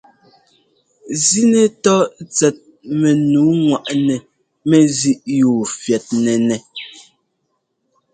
Zínɛtɔ́ tsɛt mɛnu ŋwaꞌnɛ mɛzíꞌyúu fyɛ́tnɛ́nɛ́.